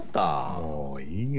もういいよ